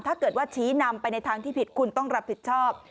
ถ้าเกิดว่าชี้นำไปในทางที่ผิดคุณต้องรับผิดชอบ